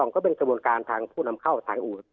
ก็เป็นกระบวนการทางผู้นำเข้าทางอูด